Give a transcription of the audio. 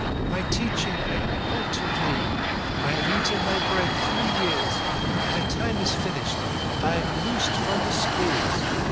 "My teaching I owe to thee. I have eaten thy bread three years. My time is finished. I am loosed from the schools.